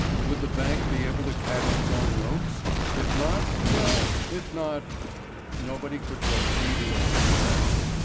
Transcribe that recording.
Would the bank be able to cash its own notes? If not well, if not nobody could foresee the end.